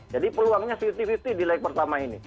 jadi peluangnya lima puluh lima puluh di lag pertama ini